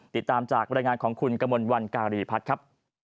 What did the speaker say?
ติดตามจากบรรยายงานของคุณกมลวันการีพัฒน์ครับ